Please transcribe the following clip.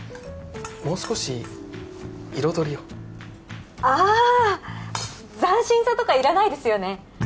もう少し彩りをああ斬新さとかいらないですよね